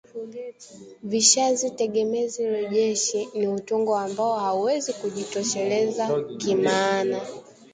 Vishazi tegemezi rejeshi ni utungo ambao hauwezi kujitosheleza kimaana